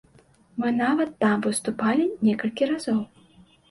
Мы нават там выступалі некалькі разоў.